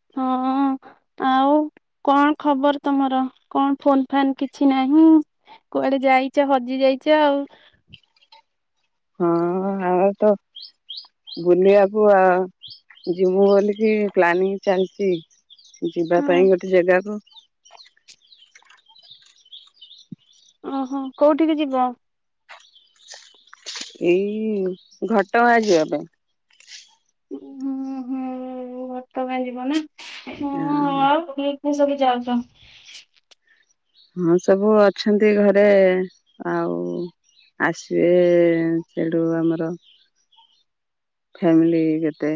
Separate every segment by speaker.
Speaker 1: ହଁ। ଆଉ କଣ ଖବର ତମର କଣ ଫୋନଫାନ୍ କିଛି ନାହିଁ। କୁଆଡେ ଯାଇଚ ହଜି ଯାଇଚ ଆଉ।
Speaker 2: ହଁ ଆଉ ତ ବୁଲିବାକୁ ଆ ଯିବୁ ବୋଲିକି ପ୍ଲାନିଂ ଚାଲିଚି। ଯିବା ପାଇଁ ଗୋଟେ ଯେଗାକୁ।
Speaker 1: ଓହୋ କୋଉଠିକି ଯିବ?
Speaker 2: ଏଇ ଘଟ ଗାଁ ଯିବା ପାଇଁ।
Speaker 1: ହୁଁ ହୁଁ ଭତ ଗାଞଜିବ ନା।
Speaker 2: ହଁ।
Speaker 1: [unintelligible] ଯାଉଚ।
Speaker 2: ହଁ ସବୁ ଅଛନ୍ତି ଘରେ ଆଉ। ଆସିବେ ସେଠୁ ଆମର ଫ୍ୟାମିଲି ଗୋଟେ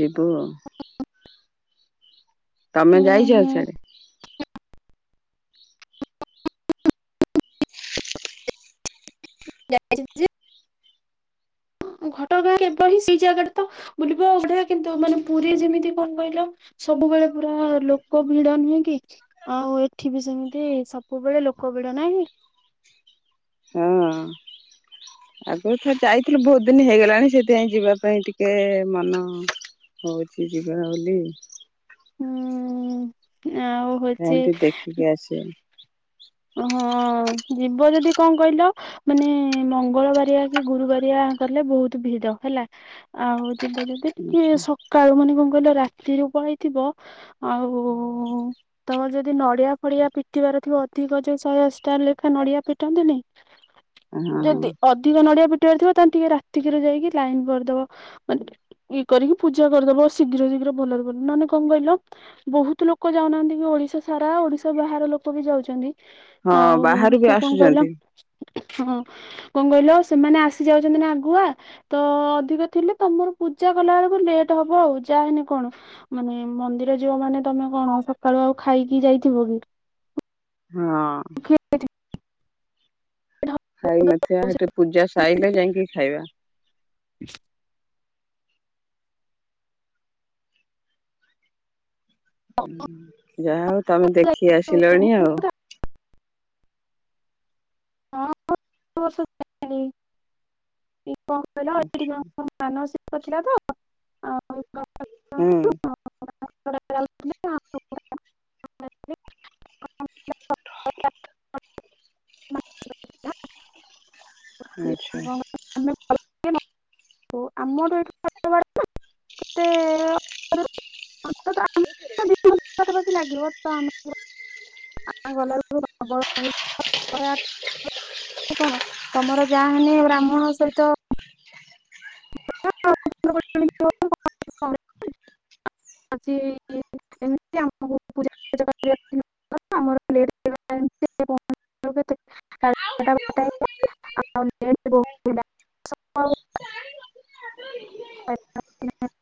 Speaker 2: ଯିବୁ ଆଉ। ତମେ
Speaker 1: ହୁଁ
Speaker 2: ଯାଇଚ
Speaker 1: ହୁଁ
Speaker 2: ଆଉ ସିଆଡେ? [inaudible]
Speaker 1: ଘଟଗାଁ ଏବ ହିଁ ସେଇ ଜାଗାଟ ତ ବୁଲିବ ବଡଆ କିନ୍ତୁ ମାନେ ପୁରୀ ଯେମିତି କଣ କହିଲ ସବୁବେଳେ ପୁରା ଲୋକ ଭିଡ ନୁହେଁ କି? ଆଉ ଏଠି ବି ସେମିତି ସବୁବେଳେ ଲୋକ ଭିଡ ନାହିଁ କି?
Speaker 2: ହଁ। ଆଗରୁଥର ଯାଇଥିଲୁ ବହୁତ ଦିନ ହେଇଗଲାଣି। ସେଥିପାଇଁ ଯିବା ପାଇଁ ଟିକେ ମନ ହଉଚି ଯିବା ବୋଲି।
Speaker 1: ହୁଁ ଆଉ ହଉଚି
Speaker 2: ଆସ
Speaker 1: ହଁ ଯିବ ଯଦି କଣ କହିଲ? ମାନେ ମଙ୍ଗଳବାରିଆ କି ଗୁରୁବାରିଆ ଗଲେ ବହୁତ ଭିଡ ହେଲା। ଆଉ ଯିବ ଯଦି ଟିକେ ସକାଳୁ ମାନେ କଣ କହିଲ ରାତିରୁ ପଳେଇଥିବ ଆଉ
Speaker 2: [inaudible]
Speaker 1: ତ ଯଦି ନଡିଆ ଫଡିଆ ପିଟିବାର ଥିବ ଅଧିକ ଯେ ଶହେ ଅସିଟା ଲେଖା ନଡିଆ ପିଟନ୍ତିନି
Speaker 2: ହଁ
Speaker 1: ଯଦି ଅଧିକ ନଡିଆ ପିଟିବାର ଥିବ ତାହେଲେ ଟିକେ ରାତିକିରେ ଯାଇକି ଲାଇନ କରିଦବ ମାନେ ଇଏ କରିକି ପୂଜା କରିଦବ ଶୀଘ୍ର ଶୀଘ୍ର ଭଲରେ ଭଲ ନହେନେ କଣ କହିଲ ବହୁତ ଲୋକ ଯାଉନାହାନ୍ତି କି ଓଡିଶା ସାରା ଓଡିଶା ବାହାର ଲୋକ ବି ଯାଉଛନ୍ତି
Speaker 2: ହଁ
Speaker 1: ଆଉ
Speaker 2: ବାହାରୁ ବି
Speaker 1: ହେଟି କଣ କହିଲ
Speaker 2: ଆସୁଛନ୍ତି।
Speaker 1: ହଁ କଣ କହିଲ ସେମାନେ ଆସି ଯାଉଛନ୍ତି ନା ଆଗୁଆ ତ ଅଧିକ ଥିଲେ ତମର ପୂଜା କଲା ବେଳକୁ ଲେଟ ହବ ଆଉ ଯାଏନି କଣ। ମାନେ ମନ୍ଦିର ଯିବ ମାନେ ତମେ କଣ ସକାଳୁ ଆଉ ଖାଇକି ଯାଇଥିବ କି।
Speaker 2: ହଁ।
Speaker 1: ସେଠି
Speaker 2: ଖାଇ ନଥିବା ସେଠି ପୂଜା ସାଇଲେ ଯାଇକି ଖାଇବା।
Speaker 1: [unintelligible] ହଉ।
Speaker 2: ଯାହାହୋଉ ତମେ ଦେଖି ଆସିଲଣି ଆଉ।
Speaker 1: ହଁ ସବୁ ବର୍ଷ ଯାଏ [unintelligible] କଣ କହିଲ ଏଠି
Speaker 2: ଆଛା
Speaker 1: [unintelligible] ମାନସିକ ଥିଲା ତ ଆଉ [unintelligible]
Speaker 2: ହୁଁ। [inaudible] ଆଚ୍ଛା।
Speaker 1: ଆମେ [unintelligible] ଆମଠୁ ଏଠୁ [unintelligible] କେତେ ତ ଆମ ଦି
Speaker 2: ହ
Speaker 1: ଲାଗିବ ତ ଆମ ଗଲାବେଳକୁ [unintelligible] ଶହେ ଆଠ [unintelligible] କଣ ତମର ଯାହା ହେଲେ ବ୍ରାହ୍ମଣ ସହିତ [unintelligible] ଆଜି କରିବା ଅଛି ନଅଟାରେ, ଆମର [unintelligible] ପହଞ୍ଚିଲା ବେଳକୁ କେତେ ସାଢ଼େ ଏଗାରଟା ବାରଟା ହେଇଗଲା। ଆଉ ବହୁତ ହେଲା।
Speaker 2: ହ
Speaker 1: ଆଉ ନାଁ